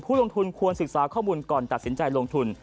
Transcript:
ลงทุนควรศึกษาข้อมูลก่อนตัดสินใจลงทุน